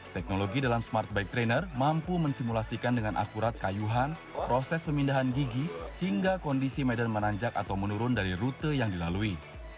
teknologi dalam smart bike trainer mampu mensimulasikan dengan akurat kayuhan proses pemindahan gigi hingga kondisi medan menanjak atau menurun dari rute yang dilalui